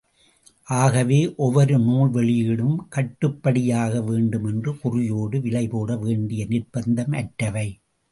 ஆகவே ஒவ்வொரு நூல் வெளியீடும் கட்டுபடியாக வேண்டுமென்ற குறியோடு விலை போடவேண்டிய நிர்ப்பந்தம் அற்றவை.